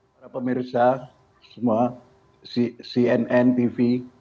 para pemirsa semua cnn tv